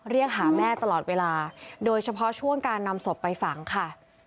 เรียกหาแม่ตลอดเวลาโดยเฉพาะช่วงการนำศพไปฝังค่ะ